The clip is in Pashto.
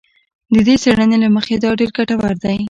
د دې څېړنې له مخې دا ډېر ګټور دی